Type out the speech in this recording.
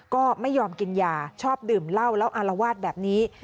ก็ไม่ยอมกินยาชอบดื่มเหล้าแล้วอารวาสแบบนี้